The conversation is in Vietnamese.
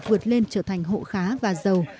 vượt lên trở thành hộ khá và giàu